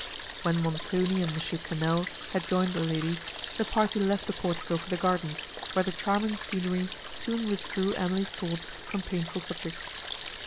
When Montoni and M. Quesnel had joined the ladies, the party left the portico for the gardens, where the charming scenery soon withdrew Emily's thoughts from painful subjects.